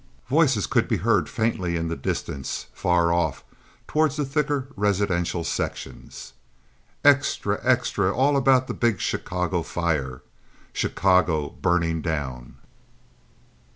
Voices could be heard faintly in the distance, far off toward the thicker residential sections. "Extra! Extra! All about the big Chicago fire! Chicago burning down!"